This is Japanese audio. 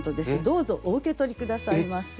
どうぞお受け取り下さいませ。